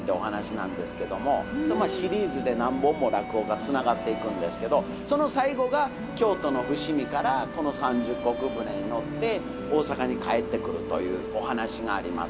それシリーズで何本も落語がつながっていくんですけどその最後が京都の伏見からこの三十石船に乗って大阪に帰ってくるというお噺があります。